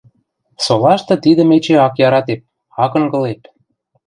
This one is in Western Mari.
Солашты тидӹм эче ак яратеп, ак ынгылеп...